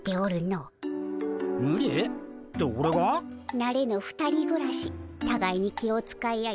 なれぬ２人ぐらしたがいに気を遣い合い